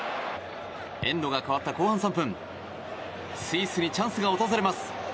エンドが変わった後半３分スイスにチャンスが訪れます。